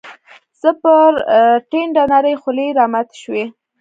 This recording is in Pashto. زما پر ټنډه نرۍ خولې راماتي شوې